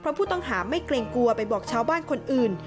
เพราะผู้ต้องหาไม่เกรงกลัวไปบอกชาวบ้านคนอื่น